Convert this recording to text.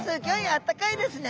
あったかいですね。